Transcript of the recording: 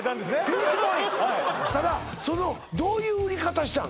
ピーチボーイただそのどういう売り方したん？